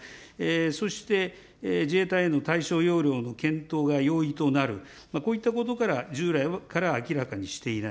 そして自衛隊への対処要領の検討が容易となる、こういったことから、従来から明らかにしていない。